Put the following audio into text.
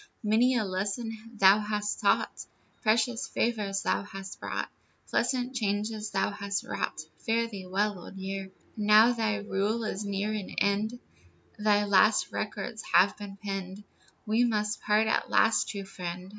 Many a lesson thou hast taught, Precious favors thou hast brought, Pleasant changes thou hast wrought, Fare thee well, Old Year. Now thy rule is near an end, Thy last records have been penned, We must part at last, true friend.